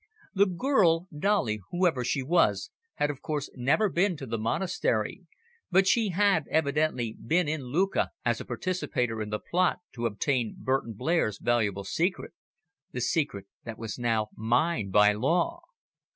The girl Dolly, whoever she was, had of course never been to the monastery, but she had evidently been in Lucca as a participator in the plot to obtain Burton Blair's valuable secret, the secret that was now mine by law.